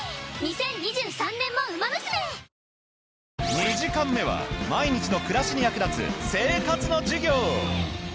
２時間目は毎日の暮らしに役立つ生活の授業。